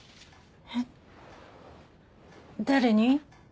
えっ誰に？